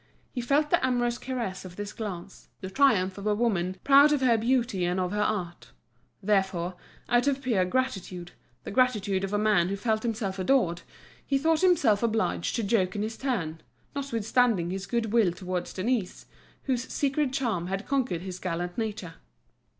He felt the amorous caress of this glance, the triumph of a woman proud of her beauty and of her art. Therefore, out of pure gratitude, the gratitude of a man who felt himself adored, he thought himself obliged to joke in his turn, notwithstanding his good will towards Denise, whose secret charm had conquered his gallant nature.